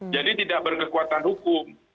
jadi tidak berkekuatan hukum